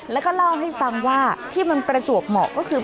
แล้วก็เล่าให้ฟังว่าที่มันประจวบเหมาะก็คือ